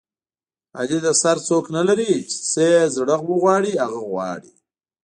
علي د سر څوک نه لري چې څه یې زړه و غواړي هغه غواړي.